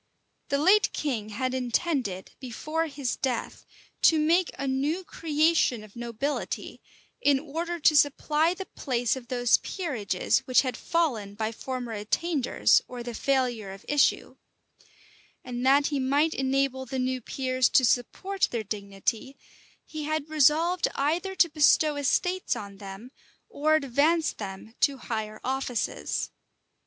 The late king had intended, before his death, to make a new creation of nobility, in order to supply the place of those peerages which had fallen by former attainders, or the failure of issue; and that he might enable the new peers to support their dignity, he had resolved either to bestow estates on them, or advance them to higher offices.